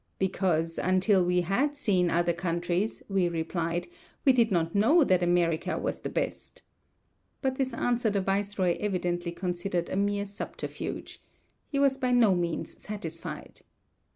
"Because until we had seen other countries," we replied, "we did not know that America was the best." But this answer the viceroy evidently considered a mere subterfuge. He was by no means satisfied.